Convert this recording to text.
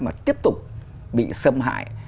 mà tiếp tục bị xâm hại